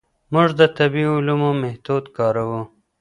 موږ د طبیعي علومو میتود کاروو.